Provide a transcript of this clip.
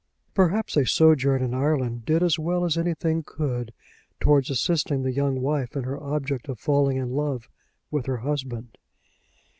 Perhaps a sojourn in Ireland did as well as anything could towards assisting the young wife in her object of falling in love with her husband.